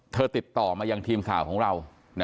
เธอติดต่อมาอย่างทีมข่าวของเรา